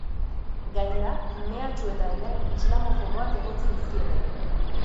Gainera, mehatxu eta irain islamofoboak egotzi dizkiete.